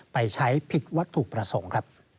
ไปใช้ผิดวัตถุประสงค์ครับ